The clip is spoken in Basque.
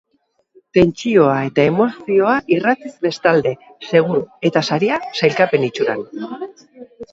Tentsioa eta emozioa irratiz bestalde, seguru, eta saria sailkapen itxuran.